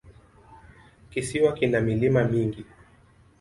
Kisiwa kina milima mingi.